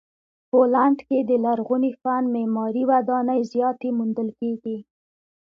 پولنډ کې د لرغوني فن معماري ودانۍ زیاتې موندل کیږي.